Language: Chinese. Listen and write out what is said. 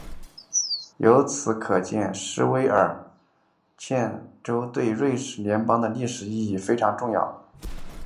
由此可见施维茨州对瑞士邦联的历史意义非常重要。